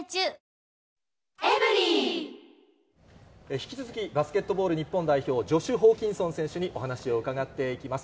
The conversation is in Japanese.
引き続きバスケットボール日本代表、ジョシュ・ホーキンソン選手にお話を伺っていきます。